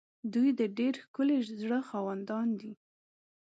دوی د ډېر ښکلي زړه خاوندان دي.